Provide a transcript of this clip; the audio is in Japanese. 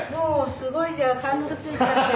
すごいじゃん貫禄ついちゃって。